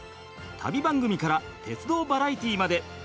旅番組から鉄道バラエティまで。